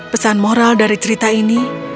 pesan moral dari cerita ini